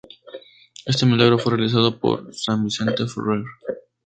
Este milagro fue realizado por San Vicente Ferrer.